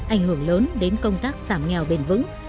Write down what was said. ảnh hưởng lớn đến công tác giảm nghèo bền vững